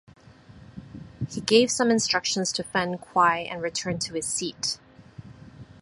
He gave some instructions to Fan Kuai and returned to his seat.